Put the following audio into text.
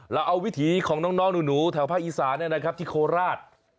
เราเอาวิถีของน้องหนูแถวภาคอีสานที่โคราช